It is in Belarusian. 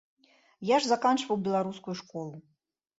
Я ж заканчваў беларускую школу.